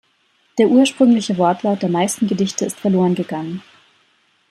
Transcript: Der ursprüngliche Wortlaut der meisten Gedichte ist verloren gegangen.